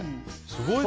すごい！